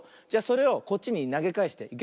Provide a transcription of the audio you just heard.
じゃそれをこっちになげかえして。